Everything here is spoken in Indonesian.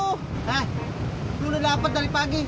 hah lu udah dapet dari pagi